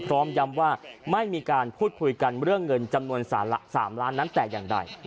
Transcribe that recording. พร้อมย้ำว่าไม่มีการพูดคุยกันเรื่องเงินจำนวน๓ล้านนั้นแต่อย่างใด